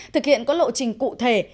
thực hiện có lộ trình cụ thể